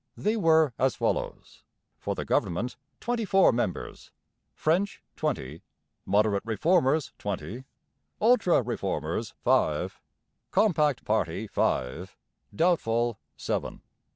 They were as follows: for the government, twenty four members; French, twenty; Moderate Reformers, twenty; ultra Reformers, five; Compact party, five; doubtful, seven.